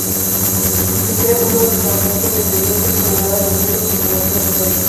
Lucifer, uno de los Arcángeles de Dios, es condenada al infierno por cometer soberbia.